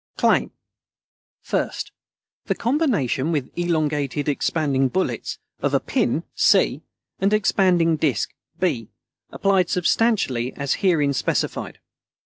Claim First, the combination with elongated expanding bullets of a pin, C, and expanding disc, B, applied substantially as herein specified.